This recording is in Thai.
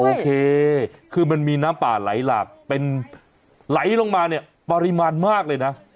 โอเคคือมันมีน้ำป่าไหลหลากเป็นไหลลงมาเนี่ยปริมาณมากเลยนะ